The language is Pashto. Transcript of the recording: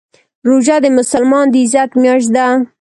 روژه د مسلمان د عزت میاشت ده.